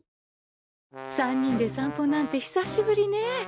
３人で散歩なんて久しぶりね。